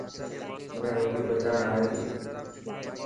منا روٽي پچائڻ اي تي.